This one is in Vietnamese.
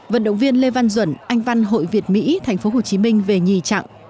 vận động viên lê văn duẩn anh văn hội việt mỹ tp hcm về nhì trạng